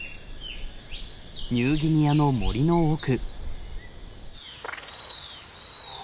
ニューギニアの森の奥。